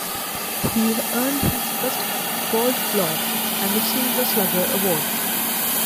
He earned his first Gold Glove and the Silver Slugger Award.